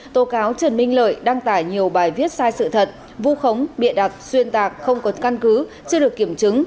tố cáo trần minh lợi đăng tải nhiều bài viết sai sự thật vu khống bịa đặt xuyên tạc không có căn cứ chưa được kiểm chứng